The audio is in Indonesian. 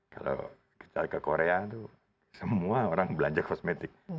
kalau kita ke korea itu semua orang belanja kosmetik